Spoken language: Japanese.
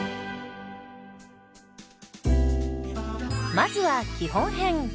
まずは基本編。